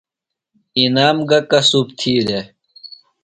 انعام گہ کسُب تھی دےۡ؟